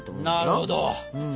なるほど。